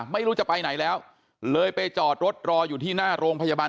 ไม่รู้จะไปไหนแล้วเลยไปจอดรถรออยู่ที่หน้าโรงพยาบาล